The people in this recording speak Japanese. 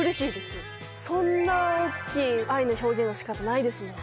そんな大きい愛の表現の仕方ないですもん。